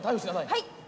はい。